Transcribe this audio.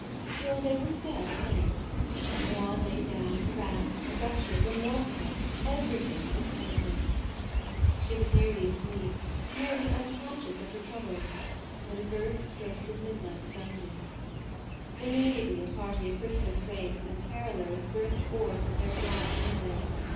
Still they were said at length; and Maude lay down harassed, wretched, remorseful, everything but penitent. She was nearly asleep, nearly un conscious of her troubles, when the first strokes of midnight sounded. MAUDE 77 Immediately a party of Christmas waits and carollers burst forth with their glad music.